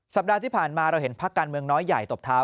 สัปดาห์ที่ผ่านมาเราเห็นพักการเมืองน้อยใหญ่ตบเท้า